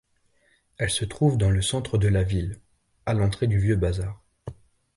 Elle se trouve dans le centre de la ville, à l'entrée du vieux bazar.